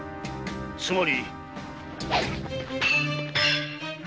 つまり。